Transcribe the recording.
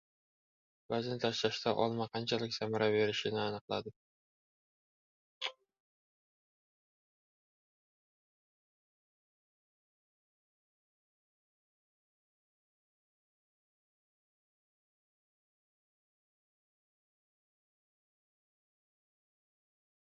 Vazn tashlashda olma qanchalik samara berishi aniqlandi